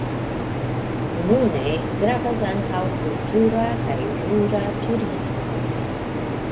Nune gravas ankaŭ kultura kaj rura turismo.